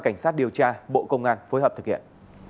cảnh sát điều tra bộ công an phối hợp thực hiện